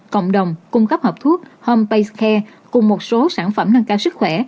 cộng đồng cung cấp hợp thuốc home base care cùng một số sản phẩm nâng cao sức khỏe